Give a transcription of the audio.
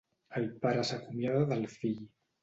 El pare s'acomiada del fill.